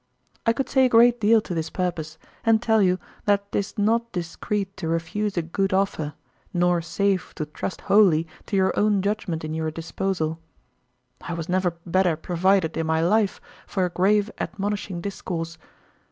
I could say a great deal to this purpose, and tell you that 'tis not discreet to refuse a good offer, nor safe to trust wholly to your own judgment in your disposal. I was never better provided in my life for a grave admonishing discourse.